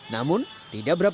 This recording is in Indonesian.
namun tidak berhasil